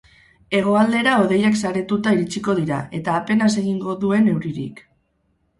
Hegoaldera hodeiak saretuta iritsiko dira eta apenas egingo duen euririk.